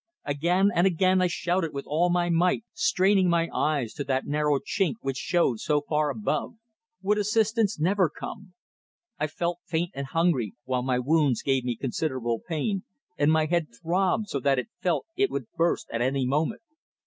Again and again I shouted with all my might, straining my eyes to that narrow chink which showed so far above. Would assistance never come? I felt faint and hungry, while my wounds gave me considerable pain, and my head throbbed so that I felt it would burst at any moment.